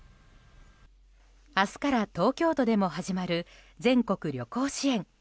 明日から東京都でも始まる全国旅行支援。